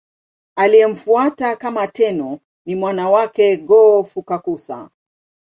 Aliyemfuata kama Tenno ni mwana wake Go-Fukakusa.